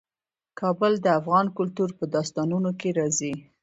کابل د افغان کلتور په داستانونو کې راځي.